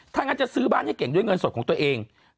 ถ้างั้นจะซื้อบ้านให้เก่งด้วยเงินสดของตัวเอง